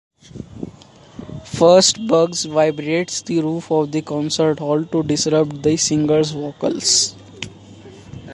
First, Bugs vibrates the roof of the concert hall to disrupt the singer's vocals.